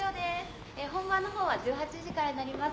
本番の方は１８時からになります。